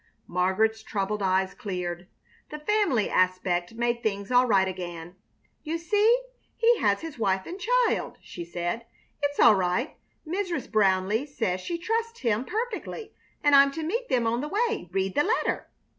Margaret's troubled eyes cleared. The family aspect made things all right again. "You see, he has his wife and child," she said. "It's all right. Mrs. Brownleigh says she trusts him perfectly, and I'm to meet them on the way. Read the letter."